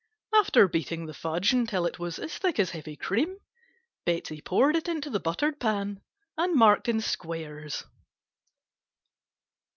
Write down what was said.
After beating the fudge until it was as thick as heavy cream, Betsey poured it into the buttered pan and marked in squares.